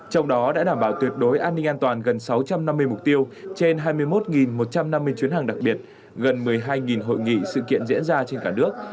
trong đó đã đảm bảo tuyệt đối an ninh an toàn gần sáu trăm năm mươi mục tiêu trên hai mươi một một trăm năm mươi chuyến hàng đặc biệt gần một mươi hai hội nghị sự kiện diễn ra trên cả nước